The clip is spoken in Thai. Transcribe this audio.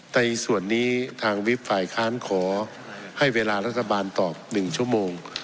ในส่วนนี้ทางวิบฝ่ายค้านขอให้เวลารัฐบาลตอบ๑ชั่วโมง